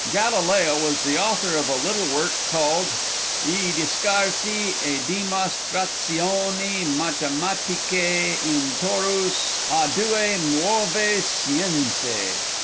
Galileo was the author of a little work called "I Discarsi e Dimas Trazioni Matematiche Intorus a Due Muove Scienze."